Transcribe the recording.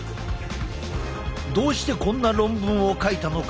どうしてこんな論文を書いたのか？